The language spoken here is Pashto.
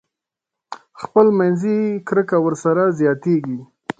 خپل منځي کرکه ورسره زياتېږي.